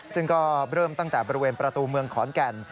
ซึ่งก็เริ่มตั้งแต่บริเวณประตูเมืองขอนแก่น